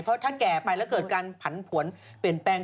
เพราะถ้าแก่ไปแล้วเกิดการผันผวนเปลี่ยนแปลง